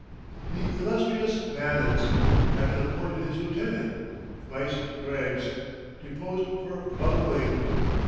"The illustrious Bannon's. I've been appointed his lieutenant vice Greggs, deposed for bungling."